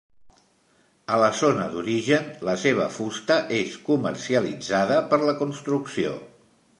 A la zona d'origen la seva fusta és comercialitzada per la construcció.